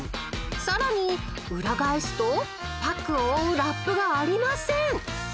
［さらに裏返すとパックを覆うラップがありません］